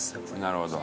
なるほど。